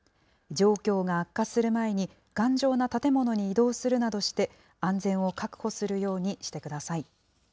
状況が悪化する前に、頑丈な建物に移動するなどして、安全を確保するようにしてください。